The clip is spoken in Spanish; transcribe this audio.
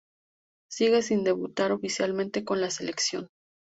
Sigue sin debutar oficialmente con la selección.